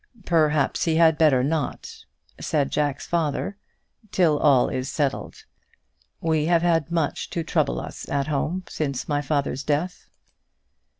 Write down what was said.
"Perhaps he had better not," said Jack's father, "till all is settled. We have had much to trouble us at home since my father's death."